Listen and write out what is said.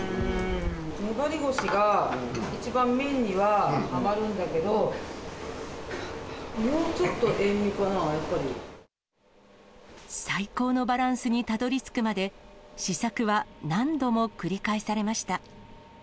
粘りごしが一番麺にははまるんだけど、最高のバランスにたどりつくまで、試作は何度も繰り返されました。